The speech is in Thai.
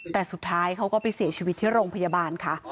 แต่สุดท้ายเขาก็ไปเสียชีวิตที่โรงพยาบาลค่ะ